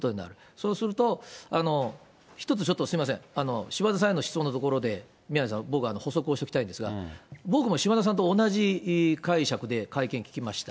そうすると、１つ、ちょっとすみません、島田さんへの質問のところで、宮根さん、僕は補足をしておきたいんですが、僕も島田さんと同じ解釈で会見聞きました。